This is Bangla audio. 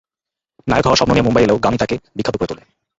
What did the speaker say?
নায়ক হওয়ার স্বপ্ন নিয়ে মুম্বাই এলেও গানই তাঁকে বিখ্যাত করে তোলে।